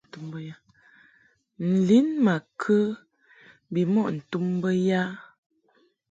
N-lin ma kə bimɔʼ ntum bə ya ?